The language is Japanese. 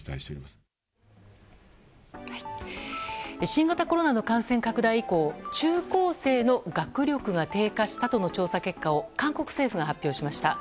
新型コロナの感染拡大以降中高生の学力が低下したとの調査結果を韓国政府が発表しました。